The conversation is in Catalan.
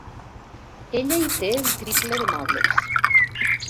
Ella hi té el triple de mobles.